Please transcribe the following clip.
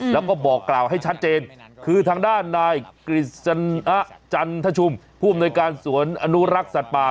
แล้วก็บอกกล่าวให้ชัดเจนคือทางด้านนายกฤษณะจันทชุมผู้อำนวยการสวนอนุรักษ์สัตว์ป่า